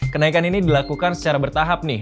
kenaikan ini dilakukan secara bertahap nih